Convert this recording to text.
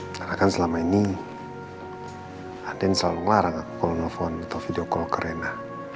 karena kan selama ini andien selalu ngelarang aku kalau nelfon atau video call ke reina